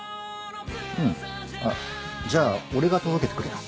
うんあっじゃあ俺が届けて来るよ。